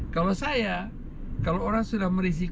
kalau saya kalau orang sudah merisiko